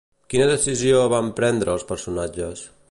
Quina decisió van prendre els personatges?